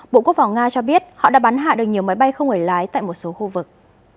bộ quốc phòng nga cho biết họ đã bắn hạ được nhiều máy bay không người lái tại một số khu vực